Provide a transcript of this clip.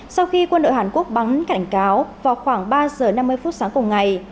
sau khi quân đội hàn quốc bắn cảnh cáo vào khoảng ba giờ năm mươi phút sáng cùng ngày